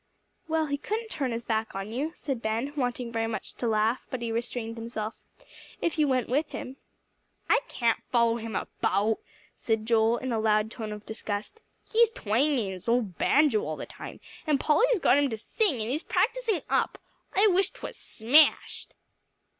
"Well, he couldn't turn his back on you," said Ben, wanting very much to laugh, but he restrained himself, "if you went with him." "I can't follow him about," said Joel, in a loud tone of disgust. "He's twanging his old banjo all the time, and Polly's got him to sing, and he's practising up. I wish 'twas smashed."